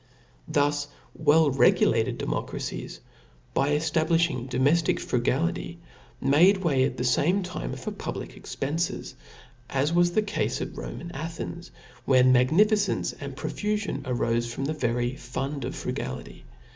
Thus well regulated democracies, by eftablifliing domeftic frugality, made way at the fame time for public expences, as wa$ the cafe at Rome and Athens^ when magnificence and profufion arofe front the very fund of frugality.